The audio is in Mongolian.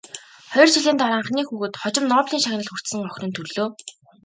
Хоёр жилийн дараа анхны хүүхэд, хожим Нобелийн шагнал хүртсэн охин нь төрлөө.